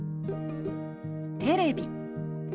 「テレビ」。